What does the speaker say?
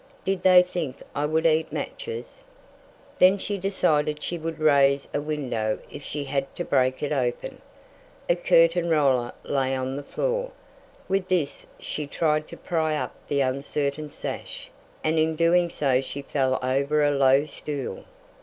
"Did they think I would eat matches?" Then she decided she would raise a window if she had to break it open. A curtain roller lay on the floor. With this she tried to pry up the uncertain sash, and in doing so she fell over a low stool.